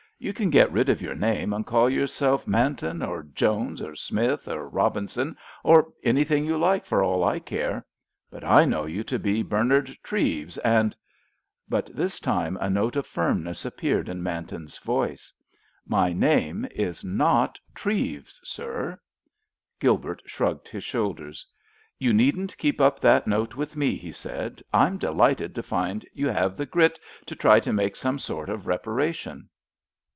"You can get rid of your name and call yourself Manton or Jones or Smith or Robinson or anything you like for all I care! But I know you to be Bernard Treves, and——" But this time a note of firmness appeared in Manton's voice. "My name is not Treves, sir!" Gilbert shrugged his shoulders. "You needn't keep up that note with me," he said. "I'm delighted to find you have the grit to try to make some sort of reparation."